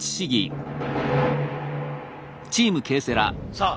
さあ